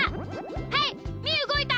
はいみーうごいた！